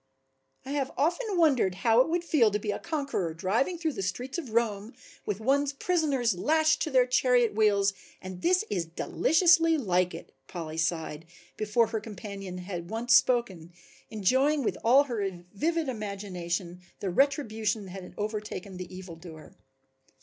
"I have often wondered how it would feel to be a conqueror driving through the streets of Rome with one's prisoners lashed to their chariot wheels and this is deliciously like it," Polly sighed before her companion had once spoken, enjoying with all her vivid imagination the retribution that had overtaken the evildoer.